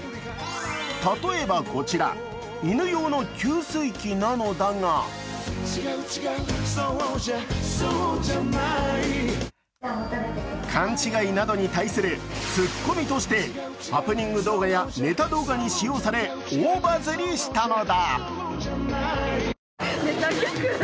例えばこちら、犬用の給水器なのだが勘違いなどに対するツッコミとしてハプニング動画やネタ動画に使用され、大バズりしたのだ。